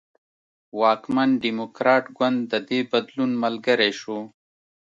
واکمن ډیموکراټ ګوند د دې بدلون ملګری شو.